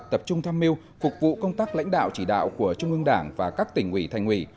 tập trung tham mưu phục vụ công tác lãnh đạo chỉ đạo của trung ương đảng và các tỉnh ủy thành ủy